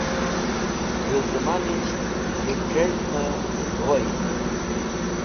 Z̃hu Zamanisht Z̃hu C̃hez̃hme Voyn